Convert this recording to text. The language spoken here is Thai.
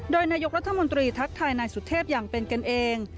โดยนายกรัฐมนตรีทักทายนายสุเทพอย่างเป็นกันเอง